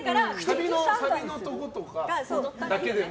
振りのサビのところとかだけでも。